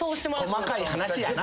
細かい話やな。